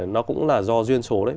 nó cũng là do duyên số đấy